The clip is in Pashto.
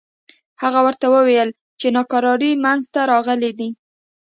هغه ورته وویل چې ناکراری منځته راغلي دي.